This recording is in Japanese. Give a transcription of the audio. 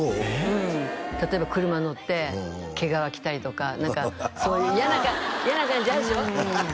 うん例えば車乗って毛皮着たりとか何かそういう嫌な感じあるでしょ？